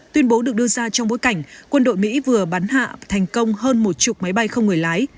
tuyên bố được đưa ra trong bối cảnh quân đội mỹ vừa bắn hạ thành công hơn một chục máy bay không người lái